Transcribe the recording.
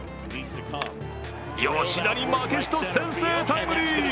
吉田に負けじと先制タイムリー。